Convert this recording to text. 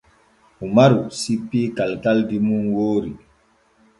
Umaru sippii kalkaldi mum woori.